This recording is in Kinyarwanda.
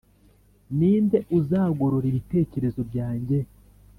Ni nde uzagorora ibitekerezo byanjye,